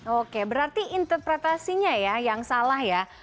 oke berarti interpretasinya ya yang salah ya